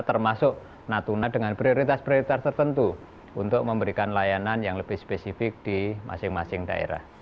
termasuk natuna dengan prioritas prioritas tertentu untuk memberikan layanan yang lebih spesifik di masing masing daerah